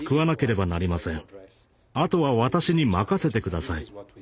あとは私に任せて下さい。